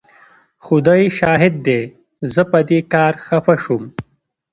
خدای شاهد دی زه په دې کار خفه شوم.